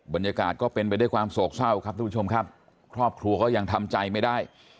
บรรยากาศก็เป็นไปด้วยความโศกเศร้าครับทุกผู้ชมครับครอบครัวก็ยังทำใจไม่ได้